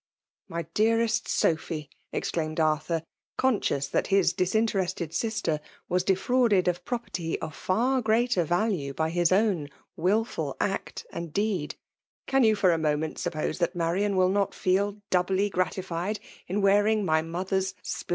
''My dearest Sophy!'* exdaimed Atthui^ conscious that his disinterested sister was de* ftauded of property of far greater valttfe 1^ hit own ^ftil act and deed, —'' Can yott ftr 'li fhbment suppose that Marian will not 'feel doubly gi^atified in wearing my mother's, splett^ ncMALE DcmniiiAioit.